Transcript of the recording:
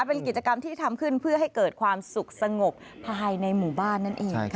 เป็นกิจกรรมที่ทำขึ้นเพื่อให้เกิดความสุขสงบภายในหมู่บ้านนั่นเอง